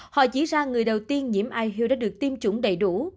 họ chỉ ra người đầu tiên nhiễm ihu đã được tiêm chủng đầy đủ